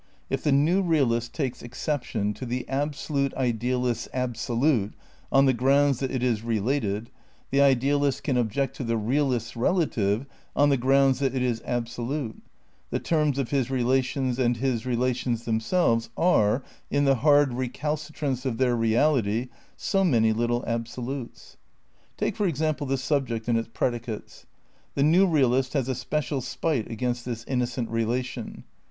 If the new realist takes exception to the absolute idealist's Ab solute on the grounds that it is related, the idealist can object to the realist's relative on the grounds that it is absolute; the terms of his relations and his relations themselves are, in the hard recalcitrance of their re ality, so many little absolutes. Take, for example, the subject and its predicates. The new realist has a special spite against this iimocent relation.